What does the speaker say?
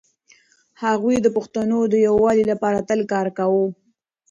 هغوی د پښتنو د يووالي لپاره تل کار کاوه.